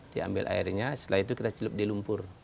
diambil airnya setelah itu kita celup di lumpur